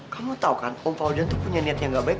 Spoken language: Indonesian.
kamu tahu kan om fauzan itu punya niat yang gak baik